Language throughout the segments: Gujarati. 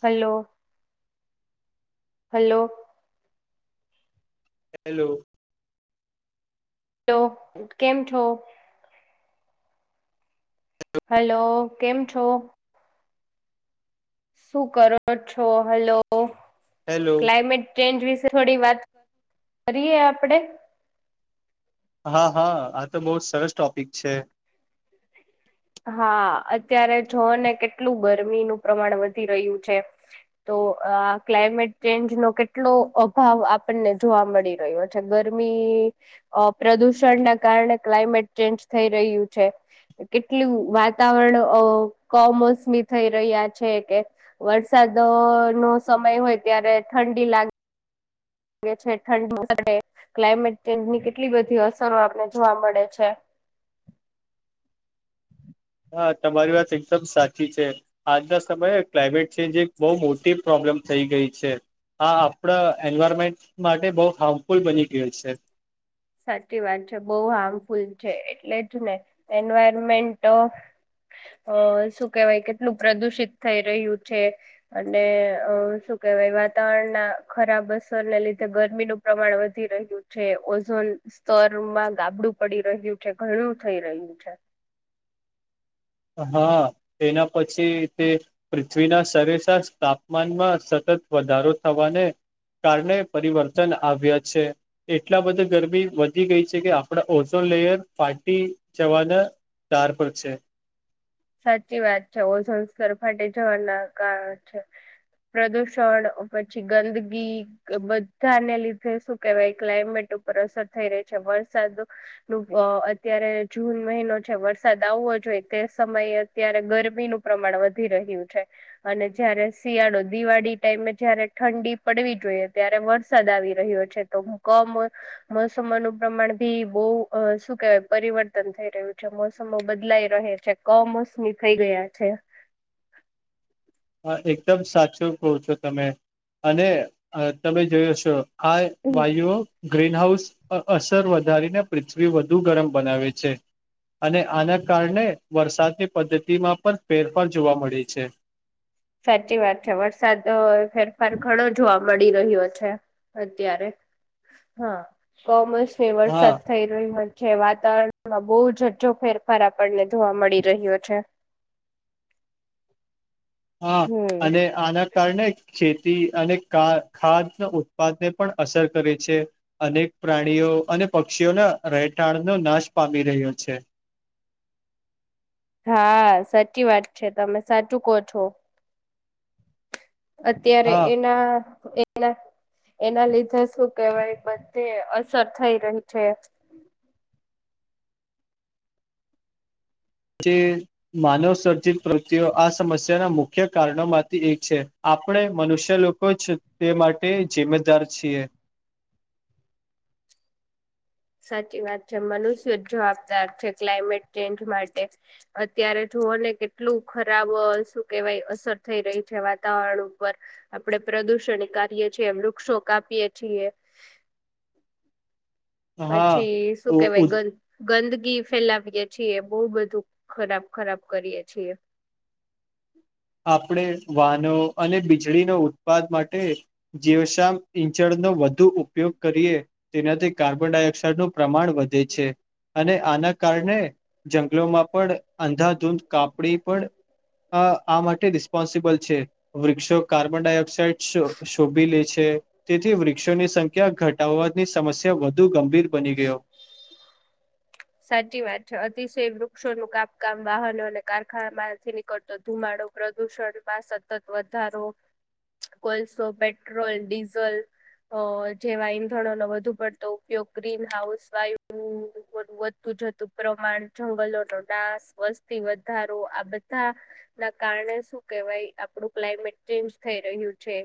હલો હલો હલો હલો કેમ છો? હેલો કેમ છો? શું કરો છો? હલો હેલો ક્લાઇમેટ ચેન્જ વિશે થોડી વાત કરીરીએ આપડે? હા હા આ તો બહ સરસ ટોપિક છે, હા, અત્યારે જો ને કેટલું ગરમીનુંું પ્રમાણ વધી રહ્યું છે, તો આ ક્લાયમેટ ચેન્જ નો કેટલો અભાવ આપણને જોવા મળી રહ્યો છે, ગરમી પ્રદૂષણ ના કારણે ક્લાયમેટ ચેન્જ થઈ રહ્યું છે, એટલું વાતાવરણ કમોસમી થઈ રહ્યા છે, કે વરસાદો નો સમય હોય ત્યારે ઠંડી લાગે ઠંડડે ક્લાઇમેટ ચેન્જની કેટલી બધી અર સ આપને જોવા મળે છે, હા, તમારી વાત એકદમ સાચી છે આજના સમયે ક્લાઇમેટ ચેન્જ એક બહુ મોટી પ્રોબ્લેમ થઈ ગઈ છે. આ આપણા એન્વાયરમેન્ટ માટે બહુ હાર્મફુલ બની ગયું છે, સાચી વાત છે, બહુ હાર્મફુલ છે એટલે જ ને એન્વાયરમેન્ટ અ શું કેવાય કેટલું પ્રદુષિત થઈ રહ્યું છે, અને અ શ વાય વાતાવરણ ના ખરાબ અસરને લીધે ગરમીનુંું પ્રમાણ વધી રહ્યું છે. સ્તરમાં ગાબડું પડી રહ્યું છે, ઘણું થઈ રહ્યું છે હા, એના પછી તે પૃથ્વીના સરેશશ તાપમાનમાં સત તત વધારો થવા ને કારણે પરિવર્તન આવ્યા છે એટલા બધ ગરમી વધી ગઈ છે કે આપણા ઓછો લેયર ફાટી જવાના તાર પર છે. સાચી વાત છે. ઓ સંસ્કાર ફાટી જવાના કારણ છે. પ્રદૂષણ પછી ગંદગી બધાને લીધે શું કેહેવાય ક્લાઇમેટ ઉપર અસર થઈ રહી છે. વરસાદ નું અત્યારે જૂન મહિનો છે વરસાદ આવો અ જોઈ તેસ સમયે અત્યારે ગરમીનું પ્રમાણ વધી રહ્યું છે અને જયારે શિયાળો દિવાળી ટાઈમ જયારે ઠંડી પડવી જોઈએ ત્યારે વરસાદ આવી રહ્યો છે તો કમ મોસમમાં ન પ્રમાણ ભી બવ શું કેવાય પરિવર્તન થઈ રહ્યું છે મોસમો બદલાઈ રહે છે. કમોસમી થઈ ગયા છે. હા એકદમ સાચું કહો છો તમે અને તમે જોયો શો હાય ભાઈઓ. ગ્રીનહાઉસ અસર વધારીને પૃથ્વી વધુ ગરમ બનાવે છે. અને આના કારણે વરસાદની પદ્ધતિમાં પણ ફેરફાર જોવા મળે છે. સાચી વાત છે. વરસાદ ફેરફાર ઘણો જોવા મળી રહ્યો છે. અત્યારે. હા, કોમસને હા વરસાદ થઈ રહ્યો છે. વાતાવરણમાં બહુ જજો ફેરફાર આપણને જોવા મળી રહ્યો છે. [inaudible] હા હમ અને આના કારણે ખે તી અને ખાદ ઉત્પાદને પણ અસર કરે છે. અનેક પ્રાણીઓ અને પક્ષીઓના રહેઠાણ નો નાશ પામી રહ્યો છે. હા, સાચી વાત છે તમે સાચું કો છો. અત્યારે હા એના એના એના લીધે શું કેહેવાય બધી અસર થઈ રહી છે. [inaudible] જે માનવ સર્જિત પ્રતિઓ આ સમસ્યાના મુખ્ય કારણો માંથી એક છે. આ પડે મનુષ્ય લોકો જ તે માટે જિ્મેદાર છીએ. [inaudible] સાચી વાત છે, મનુષ્ય જ જવાબદાર છે ક્લાઇમેટ ચેન્જ માટે. અત્યારે તો જોવો ને કેટલું ખરાબ શું કેવાય અસર થઈ રહી છે વાતાવરણ ઉપર આપડે પ્ર પ્રદૂષણ કારીએે છીએ, વૃક્ષો કાપીએ છીએ. હા પછી શું કેવાય ગ ગંદ કી ફેલાવીએે છીએ. બવ બધું ખરાબ ખરાબ કરીએ છીએ. આપણે વાહનો અને વીજળીનો ઉત્પાદ માટે જીવશમ ઇંચડ નો વધુ ઉપયોગ કરીએ તેનાથી કાર્બન ડાયોક્સાઇડનું પ્રમાણ વધે છે. અને આના કારણે જંગલોમાં પણ અંધાધૂંધ કાપડી પણ હા. આ માટે રિસ્પોન્સિબલ છે. વૃક્ષો કાર્બન ડાયોક્સાઇડ શો શોભી લે છે તેથી વૃક્ષોની સંખ્યા ઘટાવાની સમસ્યા વધુ ગંભીર બની ગયો. સાચી વાત છે, અતિશય વૃક્ષો નું કાપકામ વાહનો અને કારખાના માંથી નીકળતો ધુમાડો પ્રદુષણ માં સતત વધારો કોલસો, પેટ્રોલ, ડીઝલ અ જેવા ઈંધણો નો વધુ પડતો ઉપયોગ ગ્રીન હાઉસ વાયુ એ બધ તું જતું પ્રમાણ, જંગલો નો નાશ, વસ્તી વધારો આ બધા ના કારણે આપડે શું કેવાય આપડુ ક્લામેટ ચેન્જ થઈ રહયુ છે.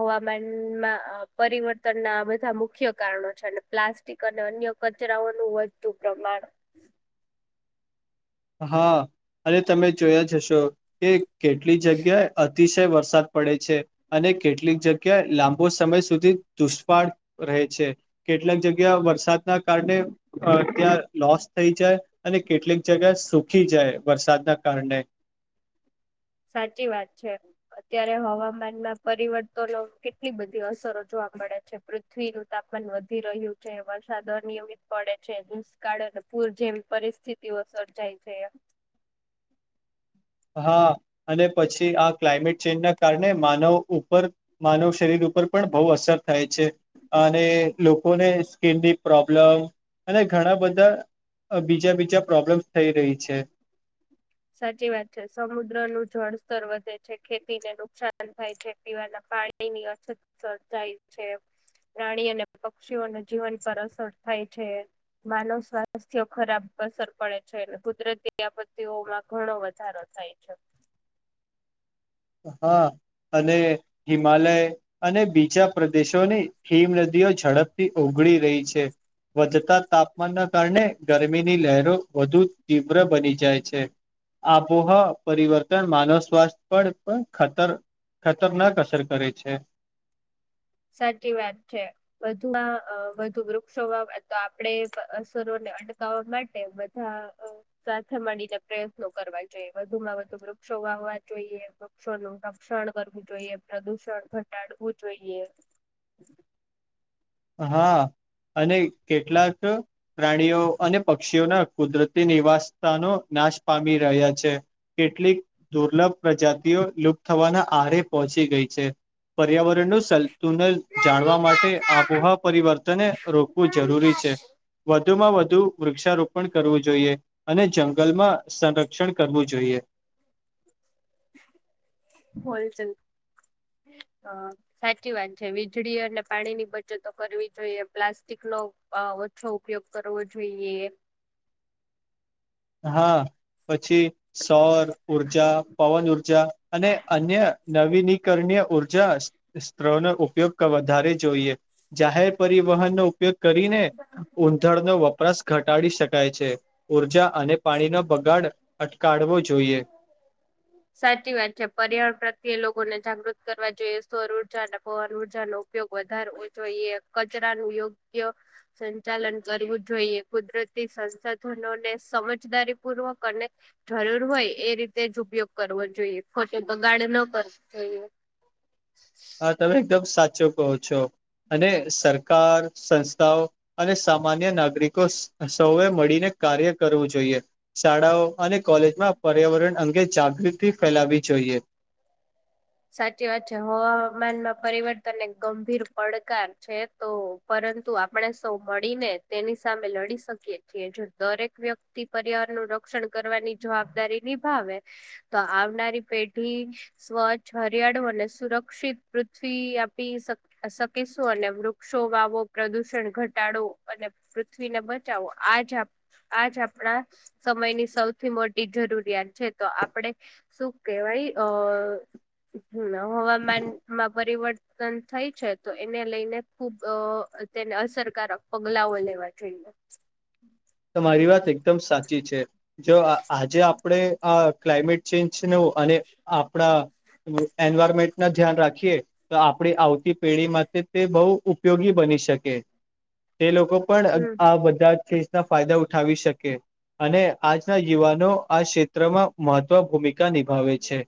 હવામાનમાં પ પરિવર્તન ના બધા મુખ્ય કારણો છે અને પ્લાસ્ટિક અને અન્ય કચરાઓનું વધતું પ્રમાણ હમ હા અને તમે જોયા જશો કે કેટલી જગ્યા અતિશ વરસાદ પડે છે, અને કેટલીક જગ્યા લાંબો સમય સુધી [unintelligible] રહે છે. [unintelligible] કેટલાક જગ્યા વરસાદના કારણે ત્યાં લોસ થઈ જાય અને કેટક [unintelligible] સુખી જાય વરસાદના કારણે. સાચી વાત છે, અત્યારે હવામાનમાં પરિવર્તનો કેટલી બધી અસરો જો મળે છે, પૃથ્વીનું તાપમાન વધી રહ્યું છે, વરસાદ અનિયમિત પડે છે, દુષ્કાળ. પૂર જેમ પરિસ્થિતિઓ સર્જાય છે, એમ. હા અને પછી આ ક્લાયમેટ ચેન્જ ના કારણે માનવ ઉપર માનવ [unintelligible] ઉપર પણ બહુ અસર થાય છે, અને લોકોને. સ્કીિનની પ્રોબ્લેમ અને ઘણા બધા. બીજા બીજા પ્રોબ્લેમ્સ થઈ રહી છે. સાચી વાત છે, સમુદ્ર નું જળસ્તર વધે છે, ખેતીને નુકસાન થાય છે, પીવાના. પાણીની અછત [unintelligible] છે. પ્રાણી અને પક્ષીઓને જીવન પર અસર થાય છે. માનવ સ્વાસ્થ્ય ખરાબ અસર પડે છે, કુદરતી આપત્તિઓમાં. ઘણો વધારો થાય છે. [inaudible] અને હિમાલય અને બીજા પ્રદેશોની હિમ નદીઓ ઝડપથી ઉભ ઉગડી રહી છે. વધતા તાપમાનના કારણે ગરમીની લહેરો વધુ તીવ્ર બની જાય છે. [unintelligible] પરિવર્તન માનવ સ્વાસ્થ્ય [unintelligible] પણ ખતર ખતરનાક અસર કરે છે. સાચી વાત છે, વધુમાં વધુ વૃક્ષોમાં તો આપડે અસરોને અટકાવવા માટે બધા સાથે મળીને પ્રયત્નો કરવા જોઈએ વધુમાં વધુ વ [unintelligible] વાવા જોઈએ પક્ષો નું રક્ષણ કરવું જોઈએ પ્રદુષણ ઘટાડવું જોઈએ. [inaudible] [inaudible] અને કેટલાક પ્રાણીઓ અને પક્ષીઓના કુદરતી નિવાસસ્થાનો નાશ પામી રહ્યા છે. કેટલીક દુર્લભ પ્રજાતિઓ લુપ્ત થવાના આરે પહોંચી ગઈ છે, પર્યાવરણ [unintelligible] જાણવા માટે આબોહા પરિવર્તન રોકવું જરૂરી છે. વધુમાં વધુ વૃક્ષારોપણ કરવું જોઈએ. અને જંગલમાં સંરક્ષણ કરવું જોઈએ. [unintelligible] ચલ હ સાચી વાત છે, વીજળી અને પાણીની બચતો કરવી જોઈએ પ્લાસ્ટિક નો ઓછો ઉપયોગ કરવો જોઈએ. હા પછી સૌર ઉર્જા પવન ઉર્જા અને અન્ય નવીનીકરણીય ઉર્જા [unintelligible] ન ઉપયોગ વધારે જોઈએ. જાહેર પરિવહનનોો ઉપયોગ કરીને ઊંધળનો વપરાશ ઘટાડી શકાય છે. [unintelligible] અને પાણીનો બગાડ અટકળવો જોઈએ સાચી વાત છે, પર્યાવરણ પ્રત્યે લોકોને જાગૃત કરવા જોઈએ સ્વર ઉર્જા પવન [unintelligible] ઉપયોગ વધારવો જોઈએ કચરા નું યોગ્ય સંચાલન કરવું જોઈએ કુદરતી સંસાધનોને સમજ જદારી પૂર્વક અને જરૂર હોય એ રીતે જ ઉપયોગ કરવો જોઈએ ખોટો બગાડ ન કર [inaudible] હા તમે એકદમ સાચો કહો છો. અને સરકાર સંસ્થાઓ અને સામાન્ય નાગરિકો સૌએ મળીને કાર્ય કરવું જોઈએ શાળાઓ અને કોલેજમાં પર્યાવરણ અંગે જાગૃતિ ફેલાવી જોઈએ. જોઈએ. [inaudible] સાચી વાત છે, હવામાનમાં પરિવર્તનને ગંભીર પડકાર છે, તો પરંતુ આપણે સૌ મળીને તેની સામે લડી શકીએ છીએ, જો દરેક વ્યક્તિ પરિવારનું રક્ષણ કરવાની જવાબદારી નિભાવે તો આવનારી પેઢી સ્વચ્છ હરિયાળો અને સુરક્ષિત પૃથ્વી આપી શકેશું અને વૃક્ષો વાવો પ્રદૂષણ ઘટાડો અને પૃથવીને બચાવો આજ આજ આપણા સમયની સૌથી મોટી જરૂરિયાત છે, તો આપડે શું કેહેવાય ભાઈ આ હમ્મ હવામાનમાં પરિવર્તન થઈ છે તો એને લઈને ખુબ તેને અસરકારક પગલાઓ લેવા જોઈએ. મારી વાત એકદમ સાચી છે, જો આજે આપણે ક્લાઇમેટ ચેન્જને નો અને આપણા એન્વાયરમેન્ટ ન ધ્યાન રાખીએ, તો આપણી આવતી પેઢી માટેમાં તે બહુ ઉપયોગી બની શકે તે લોકો લોકો પણ હમ આ બધા છે. ના ફાયદા ઉઠાવી શકે અને આજના યુવાનો આ ક્ષેત્રમાં મહત્વ ભૂમિકા નિભાવે છે,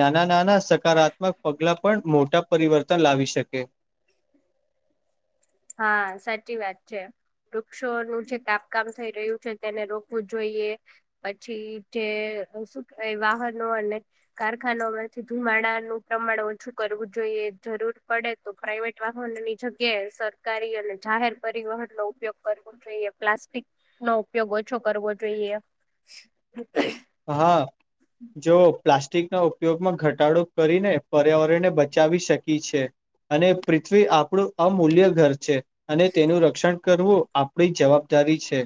નાના નાના સકારાત્મક પગલા પણ મોટા પરિવર્તન લાવી શકે. હા સાચી વાત છે, વૃક્ષોનુંજે કાપકામ થઈ રહ્યું છે તેને રોકવું જોઈએ, પછી જે વાહનો અને કારખાના માંથી ધુમાડાનું પ્રમાણ ઓછું કરવું જોઈએ, જરૂર પડે તો પ્રાાઈવેટ વાહનની જગ્યાએ સર ખી અને જાહેર પરિવહન નો ઉપયોગ કરવો જોઈએ પ્લાસ્ટિક નો ઉપયોગ ઓછો કરવો જોઈએ. [unintelligible] હા જો પ્લાસ્ટિકના ઉપયોગમાં ઘટાડો કરીને પર્યાવરણને બચાવી શકી છે. અને પૃથ્વી આપણું અમૂલ્ય ઘર છે, અને તેનું રક્ષણ કરવું આપણી જવાબદારી છે,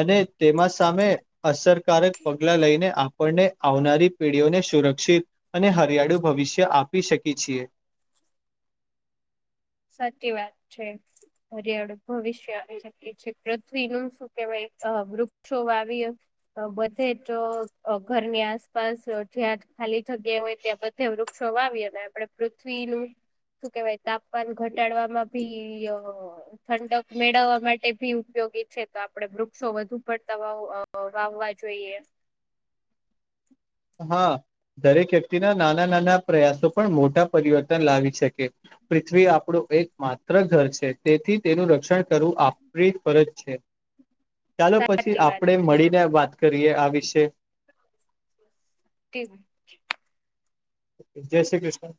અને તેમાં સામે અસરકારક પગલા લઈને આપ આપને આવનારી પેઢીઓને સુરક્ષિત અને હરિયાળુ ભવિષ્ય આપી શકી છીએ, [inaudible] સાચી વાત છે, હરિયાળું ભવિષ્ય આવી શકી છે પૃથ્વી નું શું કેવાય અ વૃક્ષો વાવી બધે તો ઘરની આસપાસ જ્યાં ખાલી જગ્યા હોય, ત્યાં બધે વૃક્ષો વાવીએ અને આપે પૃથ્વીનું શું કેવાય તાપ માન ઘટાડવામાં ભી ઠંડક મેળવવા માટે ભી ઉપયોગી છે, તો આપડે વૃક્ષો વધુ પડતા વાવ વાવવા જોઈએ, હા, દરેક વ્યક્તિના નાના નાના પ્રયાસો પણ મોટા પરિવર્તન લાવી શકે. પૃથ્વી આપણું એક માત્ર ઘર છે, તેથી તેનું રક્ષણ કરવું આપણી ફરજ છે. હ ચાલો પછી આપણે મળીને વાત કરીએ, આ વિશે કેવું જય શ્રી કૃષ્ણ.